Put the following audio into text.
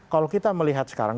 kalau kita melihat sekarang